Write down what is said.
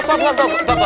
ustadz tunggu tunggu